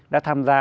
đã tham gia